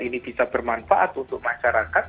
ini bisa bermanfaat untuk masyarakat